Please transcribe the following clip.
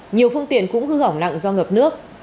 nhiều phương tiện cũng hư hỏng nặng do ngập nước